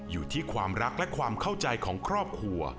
อยู่ที่ความรักและความเข้าใจของครอบครัว